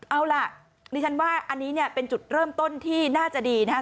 เอาล่ะดิฉันว่าอันนี้เนี่ยเป็นจุดเริ่มต้นที่น่าจะดีนะครับ